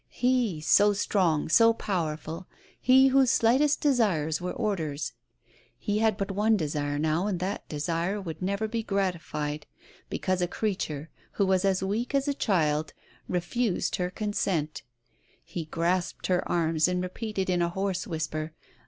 He, so strong, so pow erful, he whose slightest desires were orders, he had but one desire now, and that desire would never be gratified, because a creature, who was as weak as a child, refused her consent 1 He grasped her arms, and repeated in a hoarse whisper